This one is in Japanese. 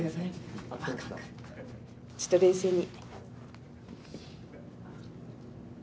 ちょっと冷静に。